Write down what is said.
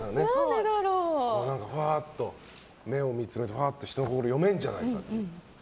目を見つめてファーっと読めるんじゃないかと。